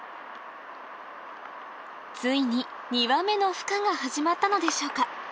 ついに２羽目のふ化が始まったのでしょうか？